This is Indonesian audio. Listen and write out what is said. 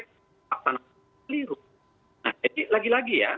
nah jadi lagi lagi ya